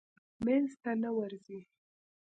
منځ ته نه ورځي.